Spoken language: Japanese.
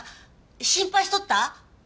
心配しとった？